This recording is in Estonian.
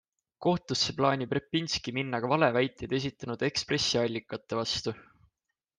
Kohtusse plaanib Repinski minna ka valeväiteid esitanud Ekspressi allikate vastu.